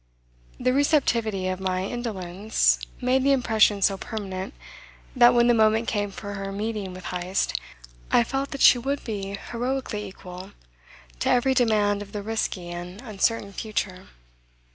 The receptivity of my indolence made the impression so permanent that when the moment came for her meeting with Heyst I felt that she would be heroically equal to every demand of the risky and uncertain future.